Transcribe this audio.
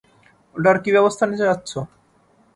ওটার কী ব্যবস্থা নিতে চাচ্ছ?